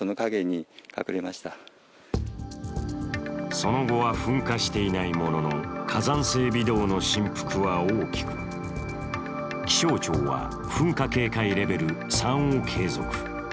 その後は噴火していないものの、火山性微動の振幅は大きく気象庁は噴火警戒レベル３を継続。